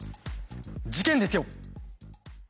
事件ですよ。